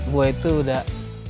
gue itu udah